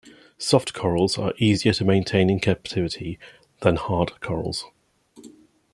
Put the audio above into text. Soft corals are easier to maintain in captivity than hard corals.